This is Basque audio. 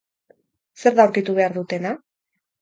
Zer da aurkitu behar dutena?